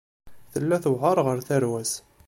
Tella tewεer ɣer tarwa-s.